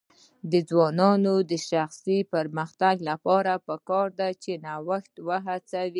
د ځوانانو د شخصي پرمختګ لپاره پکار ده چې نوښت هڅوي.